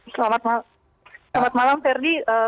selamat malam ferdi